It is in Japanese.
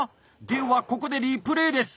ではここでリプレーです。